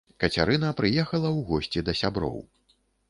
Кацярына прыехала ў госці да сяброў.